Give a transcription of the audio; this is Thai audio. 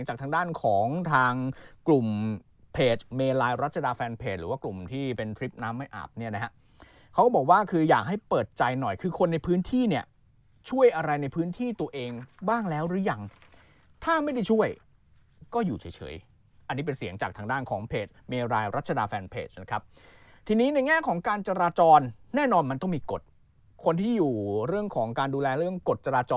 จากทางด้านของทางกลุ่มเพจเมลายรัชดาแฟนเพจหรือว่ากลุ่มที่เป็นทริปน้ำไม่อาบเนี่ยนะฮะเขาก็บอกว่าคืออยากให้เปิดใจหน่อยคือคนในพื้นที่เนี่ยช่วยอะไรในพื้นที่ตัวเองบ้างแล้วหรือยังถ้าไม่ได้ช่วยก็อยู่เฉยอันนี้เป็นเสียงจากทางด้านของเพจเมรายรัชดาแฟนเพจนะครับทีนี้ในแง่ของการจราจรแน่นอนมันต้องมีกฎคนที่อยู่เรื่องของการดูแลเรื่องกฎจราจร